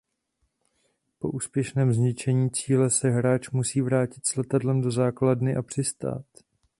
Po úspěšném zničení cíle se hráč musí vrátit s letadlem do základny a přistát.